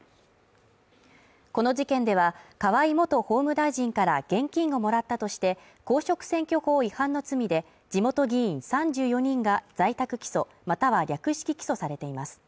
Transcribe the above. この事件では河井元法務大臣から現金をもらったとして公職選挙法違反の罪で地元議員３４人が在宅起訴または略式起訴されています。